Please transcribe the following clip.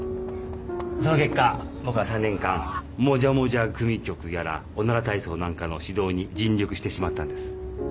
その結果僕は３年間『モジャモジャ組曲』やら『おなら体操』なんかの指導に尽力してしまったんです。